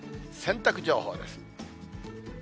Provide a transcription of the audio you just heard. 洗濯情報です。